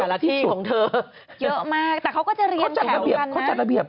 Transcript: แต่ละที่ของเธอเยอะมากแต่เขาก็จะเรียนแผ่วกันนะเขาจัดระเบียบ